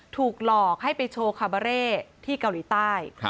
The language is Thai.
ถูกหลอกให้ไปโชว์คาบาเร่ที่เกาหลีใต้